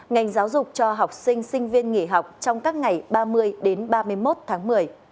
ngành giáo dục cho học sinh sinh viên nghỉ học trong các ngày ba mươi đến ba mươi một tháng một mươi